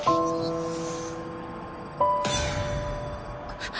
あっ。